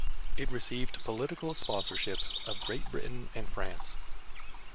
It received political sponsorship of Great Britain and France.